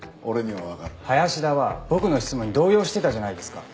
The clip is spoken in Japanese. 林田は僕の質問に動揺してたじゃないですか。